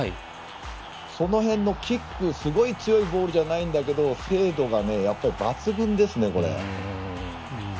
その辺のキックすごい強いボールじゃないけど精度が抜群ですね。